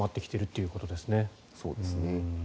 そうですね。